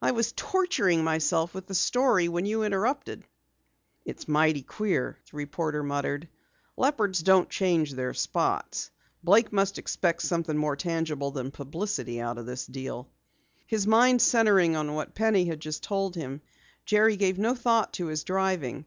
I was torturing myself with the story when you interrupted." "It's mighty queer," the reporter muttered. "Leopards don't change their spots. Blake must expect something more tangible than publicity out of the deal." His mind centering on what Penny had just told him, Jerry gave no thought to his driving.